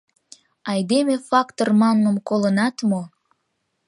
Айдеме фактор манмым колынат мо?